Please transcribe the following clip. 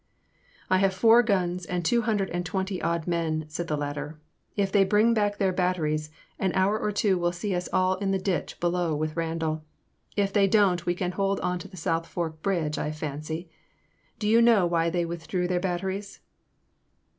I have four guns and two hundred and twenty odd men," said the latter; if they bring back their batteries, an hour or two will see us all in the ditch below with Randal; if they don't we can hold on to the South Fork bridge I fancy. Do you know why they withdrew their batteries